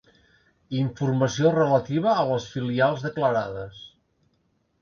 Informació relativa a les filials declarades.